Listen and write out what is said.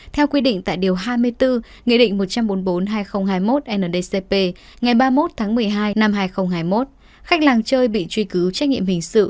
theo quy định tại điều hai mươi bốn nghị định một trăm bốn mươi bốn hai nghìn hai mươi một ndcp ngày ba mươi một tháng một mươi hai năm hai nghìn hai mươi một khách làng chơi bị truy cứu trách nhiệm hình sự